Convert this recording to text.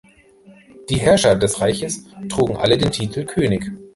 Die Herrscher des Reiches trugen alle den Titel "König".